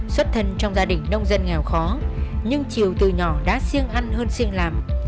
xuất thân trong gia đình nông dân nghèo khó nhưng triều từ nhỏ đã siêng ăn hơn siêng làm